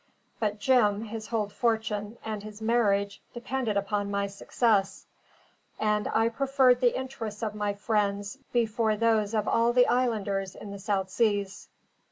But Jim, his whole fortune, and his marriage, depended upon my success; and I preferred the interests of my friend before those of all the islanders in the South Seas.